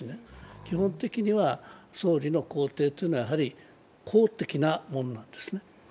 基本的には総理の公邸というのはやはり公的なものなんですね。